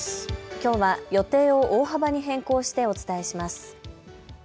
きょうは予定を大幅に変更してお伝えします。